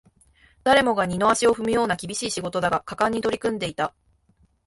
誰もが二の足を踏むような厳しい仕事だが、果敢に取り組んでいた